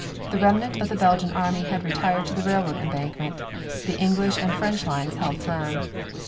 The remnant of the Belgian Army had retired to the railroad embankment. The English and French lines held firm.